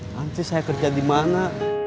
nanti saya kerja di mana